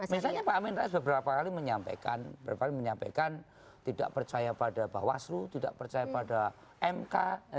misalnya pak amin rais beberapa kali menyampaikan beberapa kali menyampaikan tidak percaya pada bawaslu tidak percaya pada mk